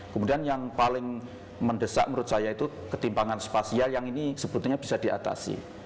kemudian yang paling mendesak menurut saya itu ketimpangan spasial yang ini sebetulnya bisa diatasi